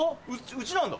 うちなんだ？